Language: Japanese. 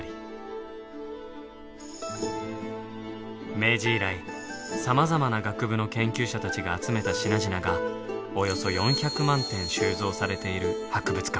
明治以来さまざまな学部の研究者たちが集めた品々がおよそ４００万点収蔵されている博物館。